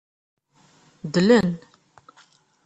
Dlen.